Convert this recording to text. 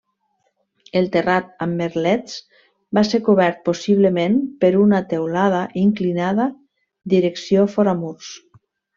El terrat amb merlets va ser cobert possiblement per una teulada inclinada direcció fora murs.